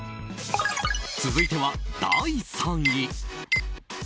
続いては第３位。